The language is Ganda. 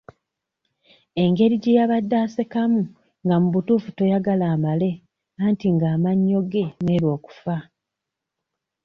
Engeri gye yabadde asekamu nga mu butuufu toyagala amale anti ng'amannyo ge meeru okufa.